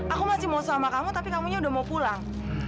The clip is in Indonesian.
aku masih mau sama kamu tapi kamunya udah mau pulang